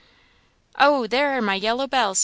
"Oh! there are my yellow bells!"